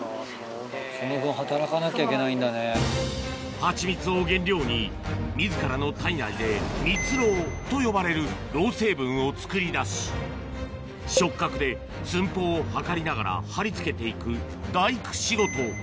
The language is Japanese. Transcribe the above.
ハチミツを原料に自らの体内でミツロウと呼ばれるロウ成分を作り出し触角で寸法を測りながら張り付けて行く大工仕事